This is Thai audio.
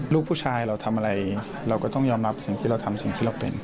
ลูกผู้ชายเราทำอะไรเราก็ต้องยอมรับสิ่งที่เราทำสิ่งที่เราเป็น